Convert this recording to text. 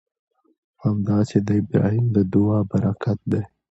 همداسې د ابراهیم د دعا برکت دی.